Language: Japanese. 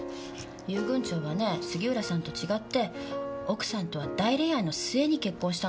遊軍長はね杉浦さんと違って奥さんとは大恋愛の末に結婚したんですから。